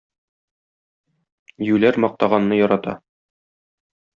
Юләр мактаганны ярата.